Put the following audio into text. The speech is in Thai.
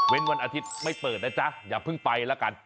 วันอาทิตย์ไม่เปิดนะจ๊ะอย่าเพิ่งไปแล้วกัน